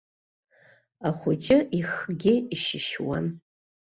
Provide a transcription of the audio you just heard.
Ахәыҷы ихгьы ишьышьуан.